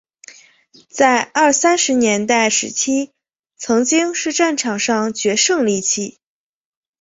在二三十年代时期曾经是战场上的决胜利器。